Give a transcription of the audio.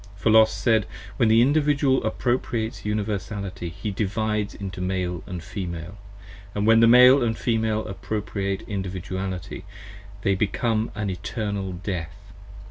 For Los said: When the Individual appropriates Universality He divides into Male & Female: & when the Male & Female Appropriate Individuality, they become an Eternal Death.